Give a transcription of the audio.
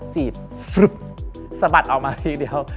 จีบสะบัดออกมาทีเดียว